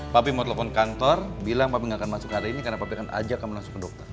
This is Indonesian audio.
papi mau telepon kantor bilang papi gak akan masuk hari ini karena papa akan ajak kamu langsung ke dokter